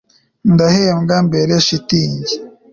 Ndahembwa mbere shitingi